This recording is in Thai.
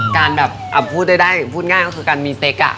การแบบพูดได้พูดง่ายก็คือการมีเซ็ก